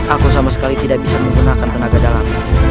aku sama sekali tidak bisa menggunakan tenaga dalam